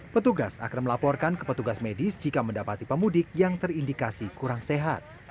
petugas akan melaporkan ke petugas medis jika mendapati pemudik yang terindikasi kurang sehat